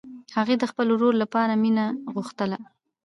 هغې د خپل ورور لپاره مینه غوښتله